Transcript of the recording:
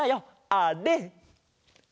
あれ！